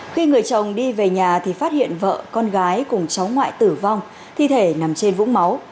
khi người chồng đi về nhà thì phát hiện vợ con gái cùng cháu ngoại tử vong thi thể nằm trên vũng máu